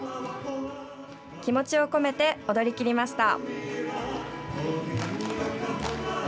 気持ちを込めて踊りきりました。